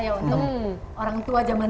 ya untuk orang tua zaman